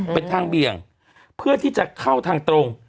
เป็นทางเบี่ยงเพื่อที่จะเข้าทางตรง